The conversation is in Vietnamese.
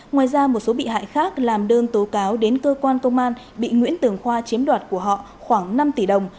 ngoài ra một số bị hại khác làm đơn tố cáo đến cơ quan công an bị nguyễn tường khoa chiếm đoạt của họ khoảng năm tỷ đồng